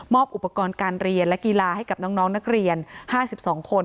มอบอุปกรณ์การเรียนและกีฬาให้กับน้องน้องนักเรียนห้าสิบสองคน